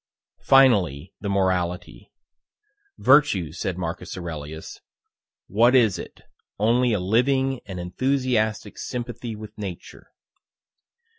Finally, the morality: "Virtue," said Marcus Aurelius, "what is it, only a living and enthusiastic sympathy with Nature?"